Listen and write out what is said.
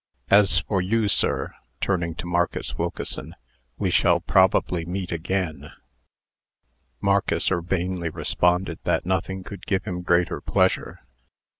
As for you, sir," turning to Marcus Wilkeson, "we shall probably meet again." Marcus urbanely responded that nothing could give him greater pleasure.